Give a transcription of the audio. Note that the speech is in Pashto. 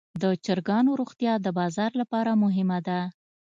د چرګانو روغتیا د بازار لپاره مهمه ده.